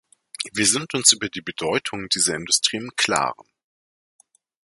Wir sind uns über die Bedeutung dieser Industrie im klaren.